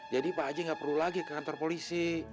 jadi pak haji gak perlu lagi ke kantor polisi